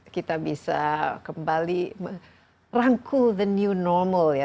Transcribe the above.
kita bisa kembali merangkul the new normal ya